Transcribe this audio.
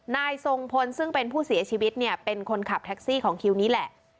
นายทรงพลซึ่งเป็นผู้เสียชีวิตเนี่ยเป็นคนขับแท็กซี่ของคิวนี้แหละ